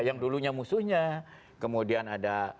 yang dulunya musuhnya kemudian ada